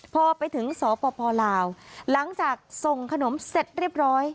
พอไปถึงสปลาวหลังจากส่งขนมเสร็จเรียบร้อย